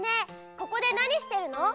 ここでなにしてるの？